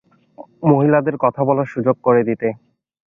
মহিলাদের কথা বলার সুযোগ করে দিতে।